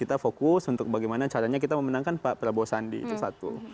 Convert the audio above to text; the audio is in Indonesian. kita fokus untuk bagaimana caranya kita memenangkan pak prabowo sandi itu satu